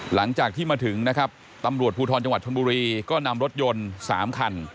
หลังจากที่มาถึงนะครับตำรวจภูทรจังหวัดชนบุรีก็นำรถยนต์๓คัน